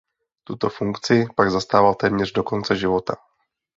Tuto funkci pak zastával téměř do konce života.